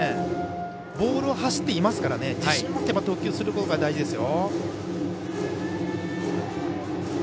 ボールは走っていますから自信を持って投球することが大事ですよ。